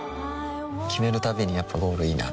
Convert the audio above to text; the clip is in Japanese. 決めるたびにやっぱゴールいいなってふん